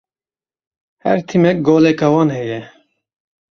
Her tîmek goleka wan heye.